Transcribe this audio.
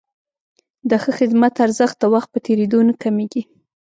د ښه خدمت ارزښت د وخت په تېرېدو نه کمېږي.